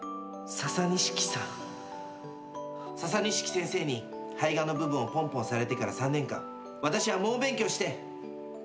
ササニシキ先生に胚芽の部分をポンポンされてから３年間私は猛勉強して看護師になったのです。